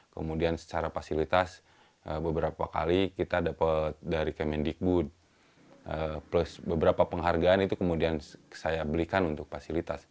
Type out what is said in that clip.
kemudian secara fasilitas beberapa kali kita dapat dari kemendikbud plus beberapa penghargaan itu kemudian saya belikan untuk fasilitas